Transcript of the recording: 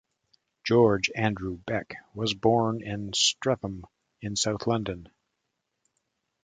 George Andrew Beck was born in Streatham, in south London.